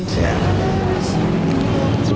terima kasih ya